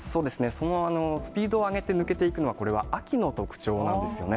そのスピードを上げて抜けていくのは、これは秋の特徴なんですよね。